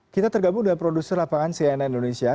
kita tergabung dengan produser lapangan cnn indonesia